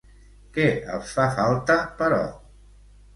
Què els fa falta, però?